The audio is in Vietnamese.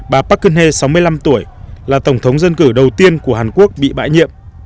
bà park geun hye sáu mươi năm tuổi là tổng thống dân cử đầu tiên của hàn quốc bị bãi nhiệm